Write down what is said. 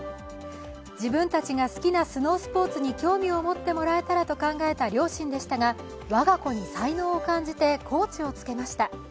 自分たちが好きなスノースポーツに興味を持ってもらえたらと考えた両親でしたが、我が子に才能を感じてコーチをつけました。